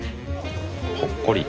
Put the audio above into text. ほっこり。